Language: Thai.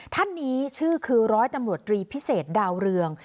ท่านนี้ชื่อคือร้อยตำรวจตรีพิเศษดาวเรือง